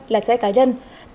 là xe cá nhân